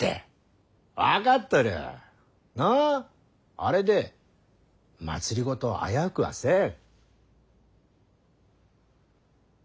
あれで政を危うくはせん。